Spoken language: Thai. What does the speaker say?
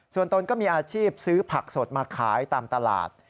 ส่วนตนก็มีอาชีพซื้อผักสดมาขายตามตลาด